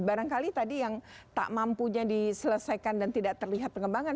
barangkali tadi yang tak mampunya diselesaikan dan tidak terlihat pengembangan